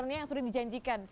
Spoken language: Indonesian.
yang sudah dijanjikan